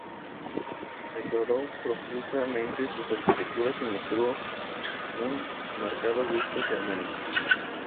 Decoró profusamente sus arquitecturas y mostró un marcado gusto germánico.